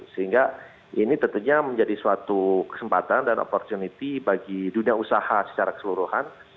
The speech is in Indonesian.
sehingga ini tentunya menjadi suatu kesempatan dan opportunity bagi dunia usaha secara keseluruhan